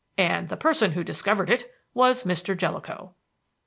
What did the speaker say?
And the person who discovered it was Mr. Jellicoe.